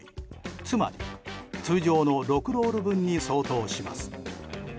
つまり、通常の６ロール分に相当します。